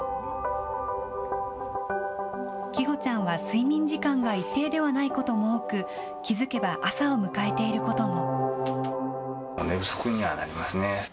希帆ちゃんは睡眠時間が一定ではないことも多く、気付けば朝を迎えていることも。